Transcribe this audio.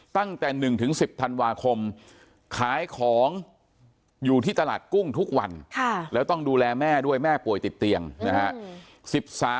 ตั้งแต่๑๑๐ธันวาคมขายของอยู่ที่ตลาดกุ้งทุกวันแล้วต้องดูแลแม่ด้วยแม่ป่วยติดเตียงนะฮะ